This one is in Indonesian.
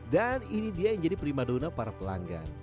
dan ini dia yang jadi prima dono para pelanggan